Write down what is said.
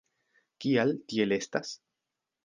Kial, tiel estas?